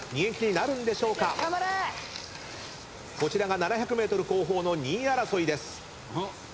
こちらが７００ｍ後方の２位争いです。